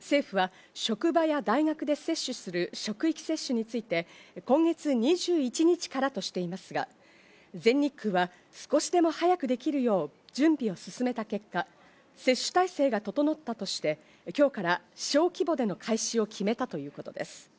政府は職場や大学で接種する職域接種について、今月２１日からとしていますが、全日空は少しでも早くできるよう準備を進めた結果、接種体制が整ったとして、今日から小規模での開始を決めたということです。